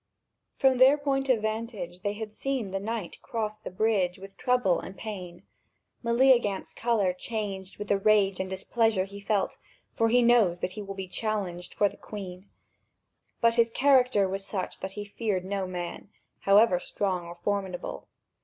From their point of vantage they had seen the knight cross the bridge with trouble and pain. Meleagant's colour changed with the rage and displeasure he felt; for he knows now that he will be challenged for the Queen; but his character was such that he feared no man, however strong or formidable.